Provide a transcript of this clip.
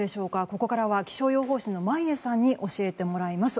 ここからは気象予報士の眞家さんに教えてもらいます。